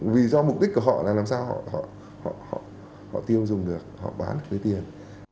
vì do mục đích của họ là làm sao họ tiêu dùng được họ bán được lấy tiền